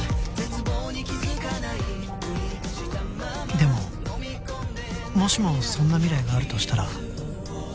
「でももしもそんな未来があるとしたら」